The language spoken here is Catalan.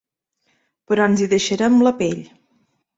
Però ens hi deixarem la pell.